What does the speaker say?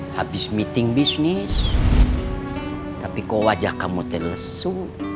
habis meeting bisnis tapi kok wajah kamu terlesu